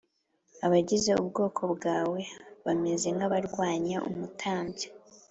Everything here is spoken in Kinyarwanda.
Abagize ubwoko bwawe bameze nk abarwanya umutambyi